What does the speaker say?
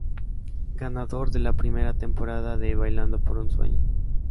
Ganador de la primera temporada de "Bailando por un sueño".